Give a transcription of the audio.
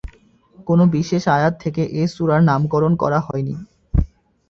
কোন বিশেষ আয়াত থেকে এ সূরার নামকরণ করা হয়নি।